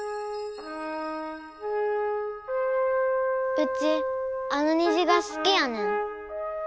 うちあのにじがすきやねん。